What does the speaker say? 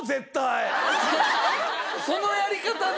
そのやり方ね